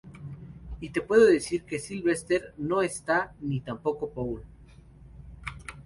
Y te puedo decir que Sylvester no está, ni tampoco Paul".